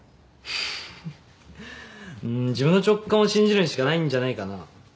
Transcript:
はははっうん自分の直感を信じるしかないんじゃないかな。